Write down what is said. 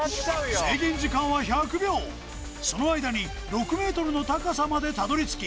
制限時間は１００秒その間に６ｍの高さまでたどりつき